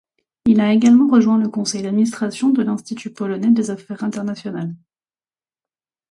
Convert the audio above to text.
Il a également rejoint le conseil d'administration de l'Institut polonais des affaires internationales.